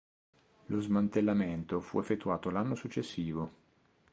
Lo smantellamento fu effettuato l'anno successivo.